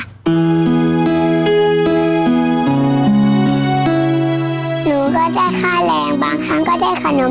หนูก็ได้ค่าแรงบางครั้งก็ได้ขนม